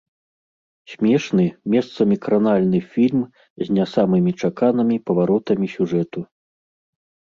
Смешны, месцамі кранальны фільм з не самымі чаканымі паваротамі сюжэту.